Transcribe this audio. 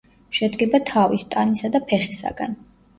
შედგება თავის, ტანისა და ფეხისაგან.